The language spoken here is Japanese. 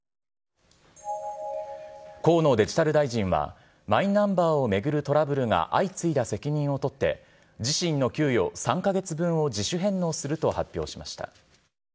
河野デジタル大臣は、マイナンバーを巡るトラブルが相次いだ責任を取って、自身の給与３か月分を自主返納すると発表しました。